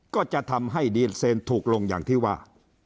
ก็จะทำให้ดีเซนถูกลงอย่างที่ว่า